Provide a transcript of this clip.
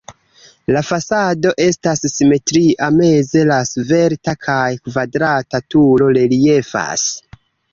La fasado estas simetria, meze la svelta kaj kvadrata turo reliefas.